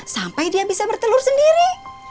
sampai dia bisa bertelur sendiri